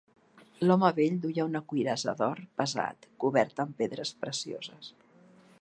L'home vell duia una cuirassa d'or pesat, coberta amb pedres precioses.